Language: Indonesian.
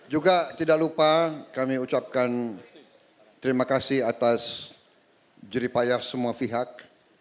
juga tidak lupa kami ucapkan terima kasih atas jeripayah semua pihak